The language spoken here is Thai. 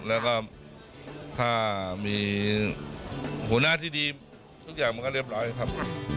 แล้วก็ถ้ามีหัวหน้าที่ดีทุกอย่างมันก็เรียบร้อยครับ